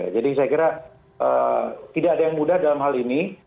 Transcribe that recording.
jadi saya kira tidak ada yang mudah dalam hal ini